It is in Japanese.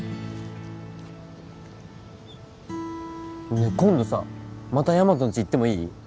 ねえ今度さまたヤマトんち行ってもいい？